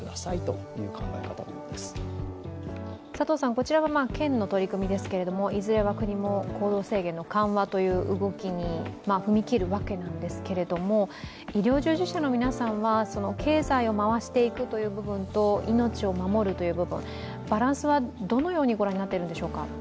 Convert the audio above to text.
こちらは県の取り組みですがいずれは国も行動制限の緩和という動きに踏み切るわけなんですが、医療従事者の皆さんは、経済を回していくという部分と命を守るという部分、バランスはどのように御覧になっているんでしょうか。